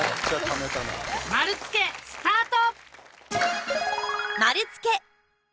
丸つけ、スタート！